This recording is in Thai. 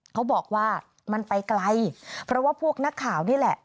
เขาบอกว่ามันไปไกลเพราะว่าพวกนักข่าวนี่แหละ